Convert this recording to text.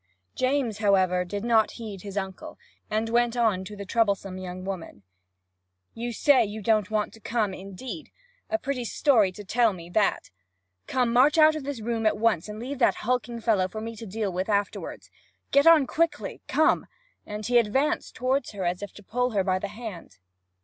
James, however, did not heed his uncle, and went on to the troublesome young woman: 'You say you don't want to come, indeed! A pretty story to tell me, that! Come, march out of the room at once, and leave that hulking fellow for me to deal with afterward. Get on quickly come!' and he advanced toward her as if to pull her by the hand.